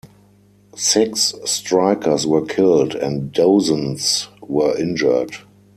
Six strikers were killed, and dozens were injured.